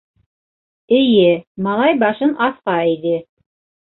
Эйе, - малай башын аҫҡа эйҙе.